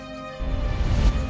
kalau calon istri kamu